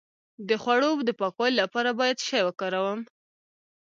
د خوړو د پاکوالي لپاره باید څه شی وکاروم؟